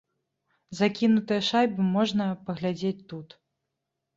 Закінутыя шайбы можна паглядзець тут.